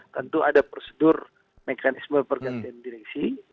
tentu ada prosedur mekanisme pergantian direksi